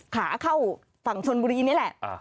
ขาเข้าฝั่งชนบุรีนี่แหละ